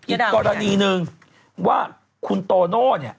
อ๊ะอีกกรณีนึงว่าคุณโตโน่นี่